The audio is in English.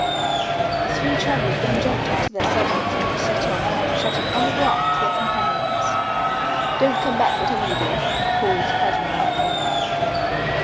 The three travelers then jumped into their saddles, and set off, shouting "Au revoir!" to their companions. "Don't come back whatever you do," called Paganel after them.